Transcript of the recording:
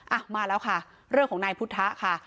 อ่ะมาแล้วค่ะเรื่องของนายพุทธะค่ะ